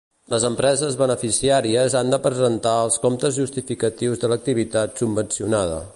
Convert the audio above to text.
Les empreses beneficiàries han de presentar els comptes justificatius de l'activitat subvencionada.